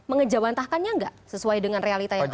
sudah mampu mengejawantahkannya nggak sesuai dengan realita yang ada